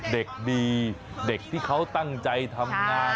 เด็กดีเด็กที่เขาตั้งใจทำงาน